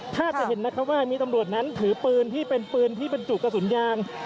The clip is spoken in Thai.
ถ้าจะเห็นนะครับว่ามีตำรวจนั้นถือปืนที่เป็นปืนที่บรรจุกระสุนยาง